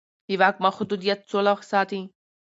د واک محدودیت سوله ساتي